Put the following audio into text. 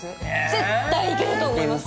絶対いけると思います！